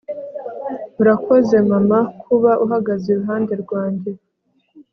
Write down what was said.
urakoze, mama, kuba uhagaze iruhande rwanjye